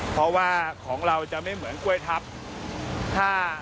เพราะว่าของเราจะไม่เหมือนกล้วยทับ